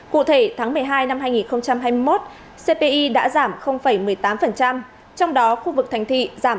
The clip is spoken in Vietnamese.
cụ thể tháng một mươi hai năm hai nghìn hai mươi một cpi đã giảm một mươi tám trong đó khu vực thành thị giảm